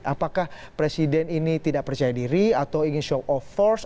apakah presiden ini tidak percaya diri atau ingin show of force